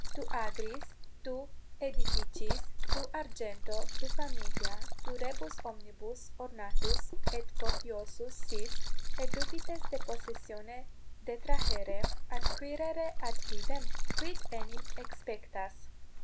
Tu agris, tu aedificiis, tu argento, tu familia, tu rebus omnibus ornatus et copiosus sis, et dubites de possessione detrahere, adquirere ad fidem? Quid enim exspectas?